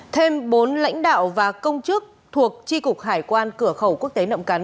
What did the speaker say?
thêm bốn lãnh đạo và công chức thuộc tri cục hải quan cửa khẩu quốc tế nậm cắn